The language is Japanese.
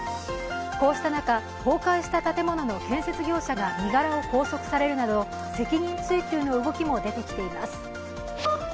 こうした中、崩壊した建物の建設業者が身柄を拘束されるなど責任追及の動きも出てきています。